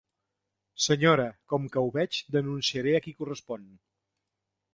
Senyora, com que ho veig, denunciaré a qui correspon.